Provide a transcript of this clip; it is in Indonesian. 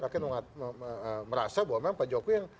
rakyat merasa bahwa memang pak jokowi yang